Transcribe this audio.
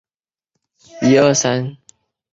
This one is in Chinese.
皇佑四年辞官归荆南。